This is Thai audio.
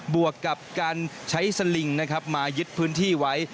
บวกกับการใช้สลิงมายึดพื้นที่ไว้